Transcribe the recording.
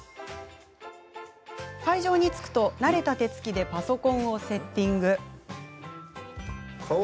会場に着くと慣れた手つきでパソコンをセッティング。